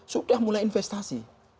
sudah mulai investasi